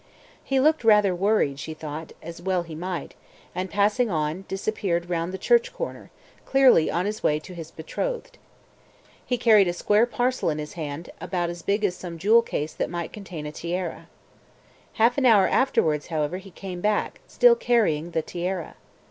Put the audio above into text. He looked rather worried, she thought (as well he might), and passing on he disappeared round the church corner, clearly on his way to his betrothed. He carried a square parcel in his hand, about as big as some jewel case that might contain a tiara. Half an hour afterwards, however, he came back, still carrying the tiara.